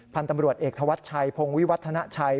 พันธุ์ตำรวจเอกธวัชชัยพงวิวัฒนาชัย